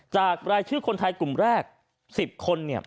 จากรายชื่อคนไทยกลุ่มแรก๑๐คน